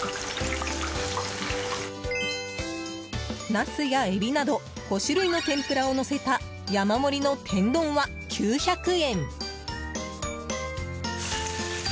ナスやエビなど５種類の天ぷらをのせた山盛りの天丼は、９００円。